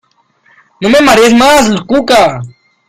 ¡No me marees más, Cuca!